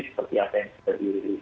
seperti apa yang terdiri